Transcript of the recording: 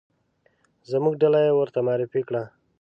زموږ ډله یې ورته معرفي کړه.